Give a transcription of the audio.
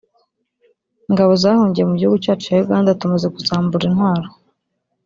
” Ingabo zahungiye mu gihugu cyacu cya Uganda tumaze kuzambura intwaro